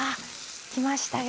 きましたよ。